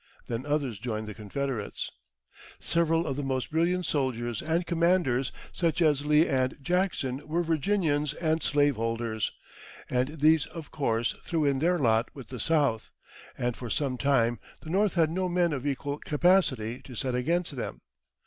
Then others joined the Confederates. Several of the most brilliant soldiers and commanders, such as Lee and Jackson, were Virginians and slave holders, and these of course threw in their lot with the South, and for some time the North had no men of equal capacity to set against them.